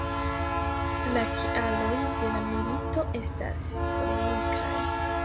La kialoj de la milito estas polemikaj.